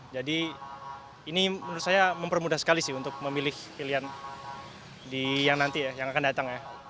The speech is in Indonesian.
jadi ini menurut saya mempermudah sekali sih untuk memilih pilihan yang nanti ya yang akan datang ya